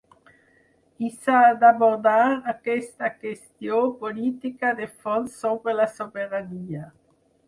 I s’ha d’abordar aquesta qüestió política de fons sobre la sobirania.